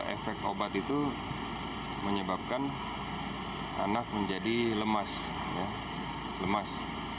efek obat itu menyebabkan anak menjadi lemas